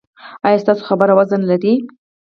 ایا ستاسو خبره وزن لري؟